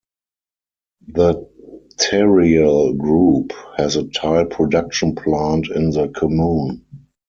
The Terreal Group has a tile production plant in the commune.